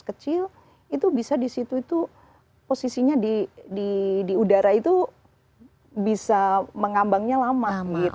kecil itu bisa di situ itu posisinya di udara itu bisa mengambangnya lama